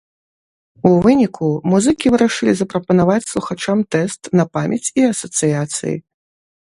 У выніку музыкі вырашылі запрапанаваць слухачам тэст на памяць і асацыяцыі.